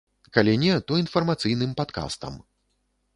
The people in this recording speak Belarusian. Калі не, то інфармацыйным падкастам.